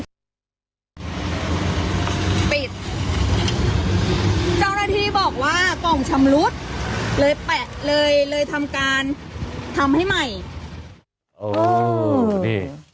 เจ้านาทีบอกว่ากล่องชำรุกเลยแปะเลยทำให้ใหม่